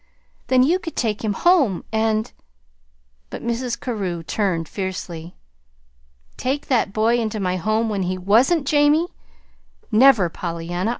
Then you could take him home, and " But Mrs. Carew turned fiercely. "Take that boy into my home when he WASN'T Jamie? Never, Pollyanna!